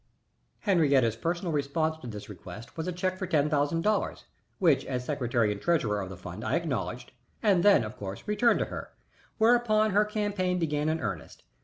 Henriette's personal response to this request was a check for ten thousand dollars, which as secretary and treasurer of the fund I acknowledged, and then, of course, returned to her, whereupon her campaign began in earnest.